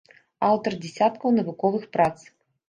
Аўтар дзесяткаў навуковых прац.